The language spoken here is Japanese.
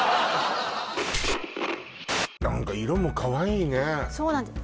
何か色もかわいいねそうなんです